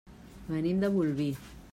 Venim de Bolvir.